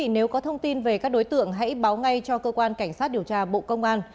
nếu có thông tin về các đối tượng hãy báo ngay cho cơ quan cảnh sát điều tra bộ công an